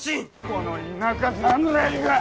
この田舎侍が！